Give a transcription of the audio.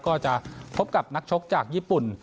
ก็จะพบกับนักชกจากญี่ปุ่น